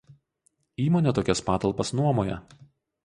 Įmonė tokias patalpas nuomoja.